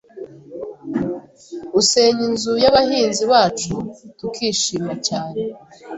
usenya inzu yabanzi bacu tukishima cyane